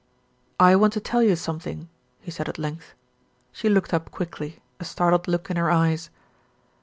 "I want to tell you something," he said at length. She looked up quickly, a startled look in her eyes.